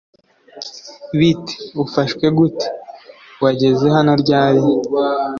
bite ufashwe gute wageze hano ryari?